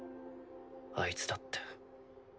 あいつだって。